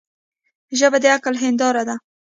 ژبه د عقل هنداره ده